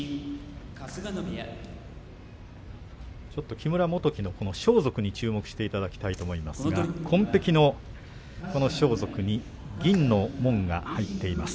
木村元基の装束に注目していただきたいんですが紺ぺきの装束に銀の紋が入っています。